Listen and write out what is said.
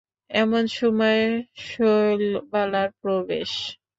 এমন সময় শৈলবালার প্রবেশ।